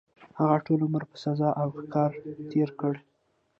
هغه ټول عمر په ساز او ښکار تېر کړ.